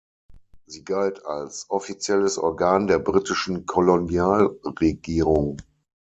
Sie galt als offizielles Organ der britischen Kolonialregierung.